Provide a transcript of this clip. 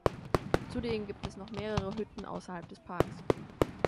Zudem gibt es noch mehrere Hütten außerhalb des Parks.